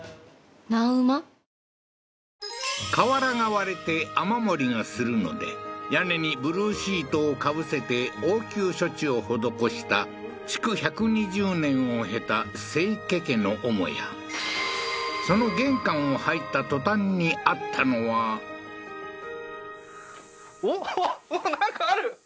瓦が割れて雨漏りがするので屋根にブルーシートをかぶせて応急処置を施した築１２０年を経た清家家の母屋その玄関を入った途端にあったのはえっ？